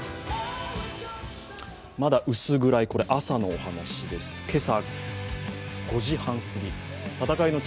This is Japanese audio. まだ薄暗い、これ朝のお話です、今朝５時半すぎ、戦いの地